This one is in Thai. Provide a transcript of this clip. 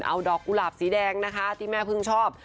เอาดอกกุหลาบสีแดงนะคะที่แม่เพิ่งชอบ